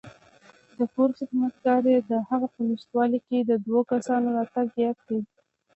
د کور خدمتګار یې دهغه په نشتوالي کې د دوو کسانو راتګ یاد کړ.